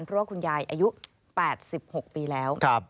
เพราะว่าคุณยายอายุ๘๖ปีแล้ว